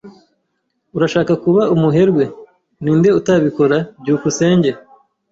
"Urashaka kuba umuherwe?" "Ninde utabikora?" byukusenge